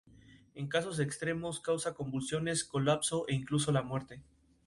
El tramo de la Central Pacific fue construido principalmente por inmigrantes chinos.